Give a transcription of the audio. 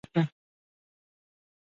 احمد له علي سره خپله ځمکه بدله کړه.